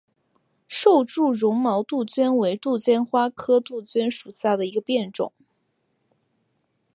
瘦柱绒毛杜鹃为杜鹃花科杜鹃属下的一个变种。